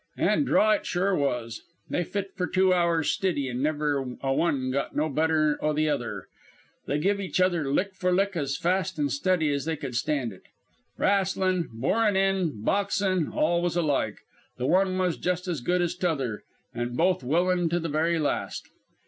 "An' draw it sure was. They fit for two hours stiddy an' never a one got no better o' the other. They give each other lick for lick as fast an' as steady as they could stand to it. 'Rastlin', borin' in, boxin' all was alike. The one was just as good as t'other. An' both willin' to the very last.